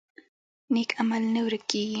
نیک عمل نه ورک کیږي